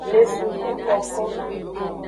Le sukukoko.